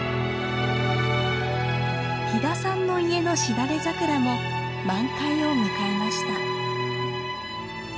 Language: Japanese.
飛田さんの家のしだれ桜も満開を迎えました。